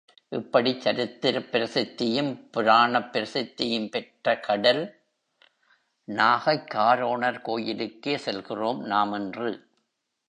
இப்படிச் சரித்திரப் பிரசித்தியும் புராணப் பிரசித்தியும் பெற்ற கடல் நாகைக் காரோணர் கோயிலுக்கே செல்கிறோம் நாம் இன்று.